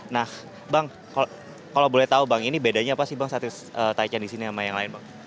nah bang kalau boleh tahu bang ini bedanya apa sih bang satu taichant di sini sama yang lain bang